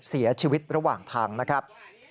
เสียชีวิตระหว่างทางนะครับ